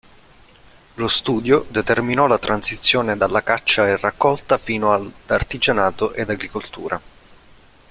Lo studio determinò la transizione dalla caccia e raccolta fino ad artigianato ed agricoltura.